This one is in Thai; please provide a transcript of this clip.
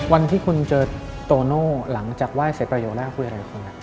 วันที่คุณเจอตัวโน้นหลังจากว่าเสร็จประโยชน์แล้วเขาพูดอะไรกัน